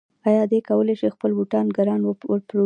آیا دی کولی شي خپل بوټان ګران وپلوري؟